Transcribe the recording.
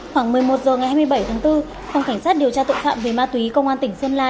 khoảng một mươi một h ngày hai mươi bảy tháng bốn phòng cảnh sát điều tra tội phạm về ma túy công an tỉnh sơn la